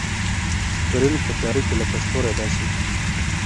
سکرین په تیاره کې لکه ستوری داسې و.